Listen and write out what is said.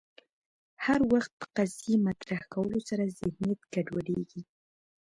هر وخت قضیې مطرح کولو سره ذهنیت ګډوډېږي